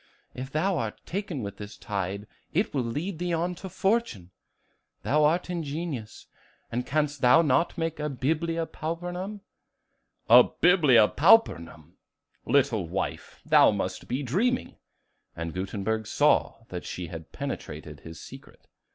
If thou art taken with this tide, it will lead thee on to fortune. Thou art ingenious; and canst thou not make a 'Biblia Pauperum?'" "A 'Biblia Pauperum!' Little wife, thou must be dreaming." And Gutenberg saw that she had penetrated his secret.